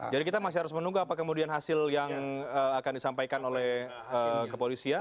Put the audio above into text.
jadi kita masih harus menunggu apa kemudian hasil yang akan disampaikan oleh kepolisian